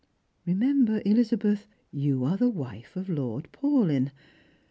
Remember, EHzabeth, you are the wife of Lord Paulyn.